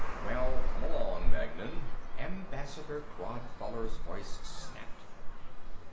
"Well, come along, Magnan!" Ambassador Crodfoller's voice snapped.